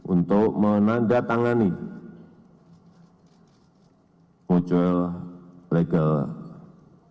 untuk menandatangani mutual legal assignment antara pemerintah indonesia dan pemerintah swiss